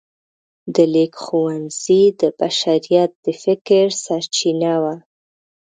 د لیک ښوونځی د بشریت د فکر سرچینه وه.